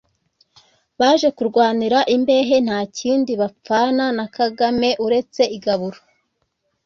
baje kurwanira imbehe nta kindi bapfana na Kagame uretse igaburo